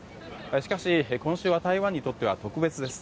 しかし、今週は台湾にとっては特別です。